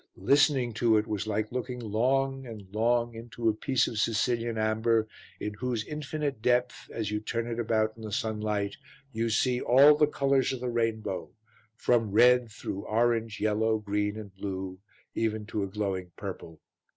Listening to it was like looking long and long into a piece of Sicilian amber in whose infinite depth, as you turn it about in the sunlight, you see all the colours of the rainbow, from red, through orange, yellow, green and blue, even to a glowing purple.